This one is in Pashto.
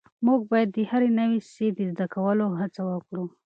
موږ باید د هر نوي سی د زده کولو هڅه وکړو.